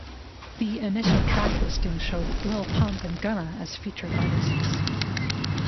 The initial track listing showed Lil Pump and Gunna as featured artists.